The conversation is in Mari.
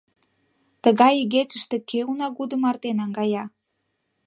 — Тыгай игечыште кӧ унагудо марте наҥгая?